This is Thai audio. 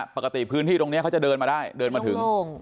ปกติพื้นที่ตรงนี้เขาจะเดินมาได้เดินมาถึง